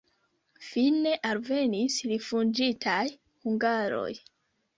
Fine alvenis rifuĝintaj hungaroj.